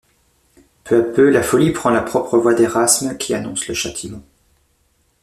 Peu à peu la Folie prend la propre voix d’Érasme qui annonce le châtiment.